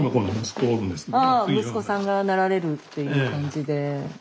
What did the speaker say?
ああ息子さんがなられるっていう感じで。